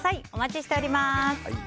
お待ちしております。